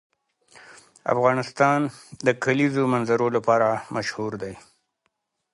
افغانستان د د کلیزو منظره لپاره مشهور دی.